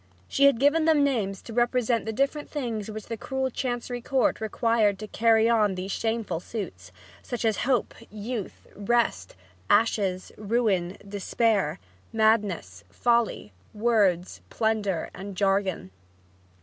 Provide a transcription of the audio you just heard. She had given them names to represent the different things which the cruel Chancery Court required to carry on these shameful suits, such as Hope, Youth, Rest, Ashes, Ruin, Despair, Madness, Folly, Words, Plunder and Jargon.